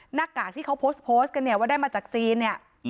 หน้ากากที่เขาโพสต์กันได้มาจากจีน